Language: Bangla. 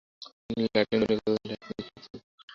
তিনি লাটিন, গণিত, ইতিহাস এবং লেখা চর্চা করেন।